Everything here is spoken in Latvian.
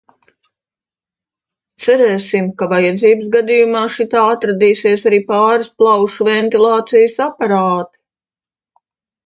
Cerēsim, ka vajadzības gadījumā šitā atradīsies arī pāris plaušu ventilācijas aparāti.